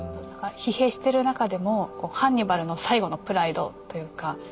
疲弊している中でもハンニバルの最後のプライドというか。